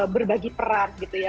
berbagi peran gitu ya